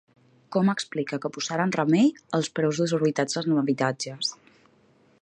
Com explica que posaran remei als preus desorbitats en habitatge?